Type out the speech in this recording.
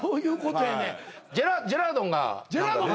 ジェラードンが。